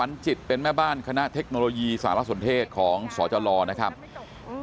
ในสถาบันเทคโนโลยีพระจอมเกล้าเจ้าคุณสนับผู้อ